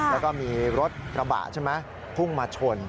แล้วก็มีรถกระบะใช่ไหมพุ่งมาชน